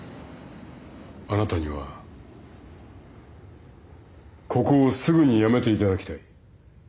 あなたにはここをすぐに辞めていただきたい。